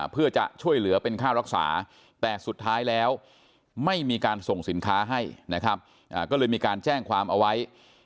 เพื่อจะช่วยเหลือเป็นค่ารักษาแต่สุดท้ายแล้วไม่มีการส่งสินค้าให้นะครับก็เลยมีการแจ้งความเอาไว้